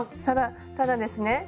ただただですね